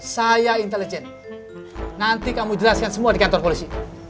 saya intelijen nanti kamu jelaskan semua di kantor polisi